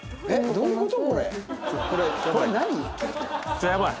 ちょっやばい。